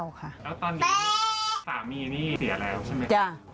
แล้วตอนนี้สามีนี่เสียแล้วใช่ไหมจ้ะ